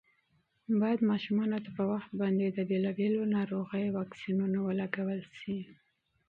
باید ماشومانو ته په وخت باندې د بېلابېلو ناروغیو واکسینونه ولګول شي.